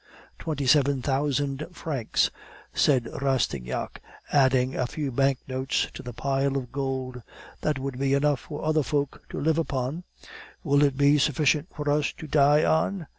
"'Twenty seven thousand francs,' said Rastignac, adding a few bank notes to the pile of gold. 'That would be enough for other folk to live upon; will it be sufficient for us to die on?